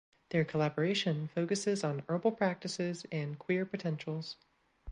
Their collaboration focuses on herbal practices and queer potentials.